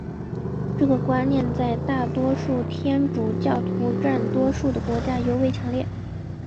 这个观念在大多数天主教徒占多数的国家尤为强烈。